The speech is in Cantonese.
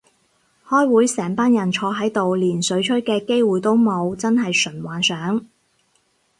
開會成班人坐喺度連水吹嘅機會都冇，真係純幻想